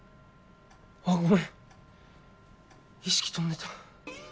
あっごめん意識飛んでた。